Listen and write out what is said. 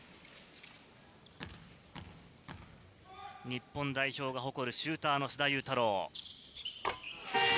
日本代表が誇るシューターの須田侑太郎。